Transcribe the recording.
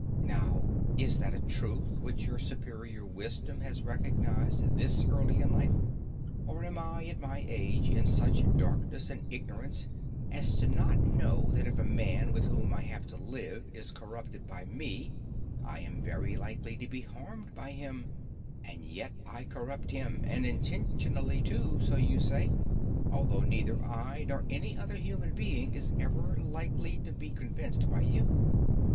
Now, is that a truth which your superior wisdom has recognized thus early in life, and am I, at my age, in such darkness and ignorance as not to know that if a man with whom I have to live is corrupted by me, I am very likely to be harmed by him; and yet I corrupt him, and intentionally, too—so you say, although neither I nor any other human being is ever likely to be convinced by you.